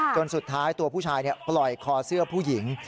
จนสุดท้ายตัวผู้ชายปล่อยคอเสื้อผู้หญิง